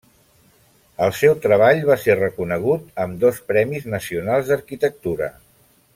El seu treball va ser reconegut amb dos premis nacionals d'arquitectura.